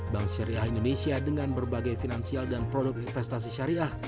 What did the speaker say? bank syariah indonesia dengan berbagai finansial dan produk investasi syariah